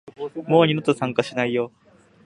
もう二度と参加しないよ